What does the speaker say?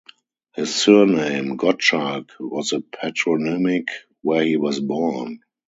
His surname, Gottschalk, was a patronymic where he was born.